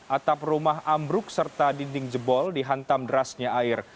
atap rumah ambruk serta dinding jebol dihantam derasnya air